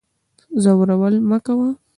ځورول مکوه